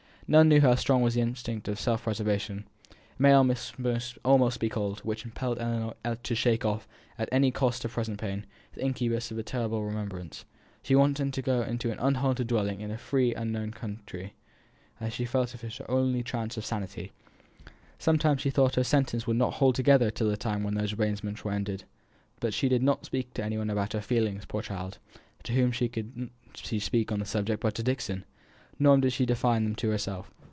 None knew how strong was the instinct of self preservation, it may almost be called, which impelled Ellinor to shake off, at any cost of present pain, the incubus of a terrible remembrance. She wanted to go into an unhaunted dwelling in a free, unknown country she felt as if it was her only chance of sanity. Sometimes she thought her senses would not hold together till the time when all these arrangements were ended. But she did not speak to any one about her feelings, poor child; to whom could she speak on the subject but to Dixon? Nor did she define them to herself.